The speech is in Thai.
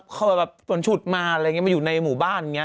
เขาว่าแบบสนฉุดมาอยู่ในหมู่บ้าน